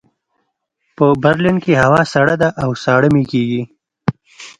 په برلین کې هوا سړه ده او ساړه مې کېږي